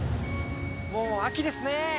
もう秋ですねえ。